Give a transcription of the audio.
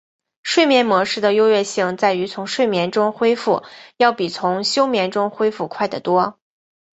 睡眠模式的优越性在于从睡眠中恢复要比从休眠中恢复快得多。